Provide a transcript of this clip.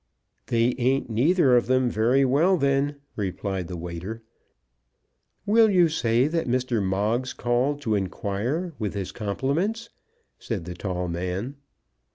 "They ain't neither of them very well then," replied the waiter. "Will you say that Mr. Moggs called to inquire, with his compliments," said the tall man.